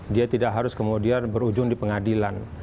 dia tidak harus kemudian berujung di pengadilan